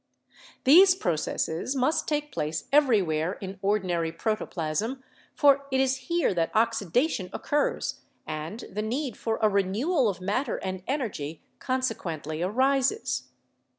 These processes must take place everywhere in ordinary proto plasm, for it is here that oxidation occurs and the need for a renewal of matter and energy consequently arises.